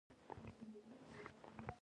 د هدف روښانه کول د لارې رڼا ده.